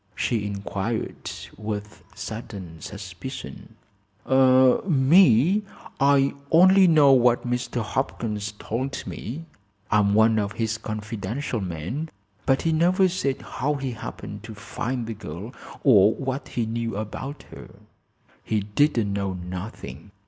she inquired, with sudden suspicion. "Me? I only know what Mr. Hopkins told me. I'm one of his confidential men. But he never said how he happened to find the girl, or what he knew about her." "He didn't know nothing.